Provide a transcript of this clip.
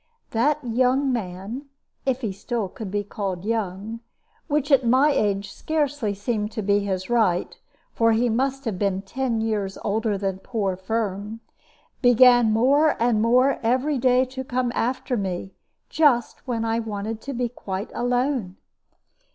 That young man, if still he could be called young which, at my age, scarcely seemed to be his right, for he must have been ten years older than poor Firm began more and more every day to come after me, just when I wanted to be quite alone.